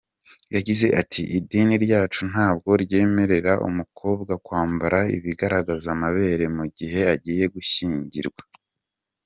Yagize ati “Idini ryacu ntabwo ryemerera umukobwa kwambara ibigaragaza amabere mu gihe agiye gushyingirwa.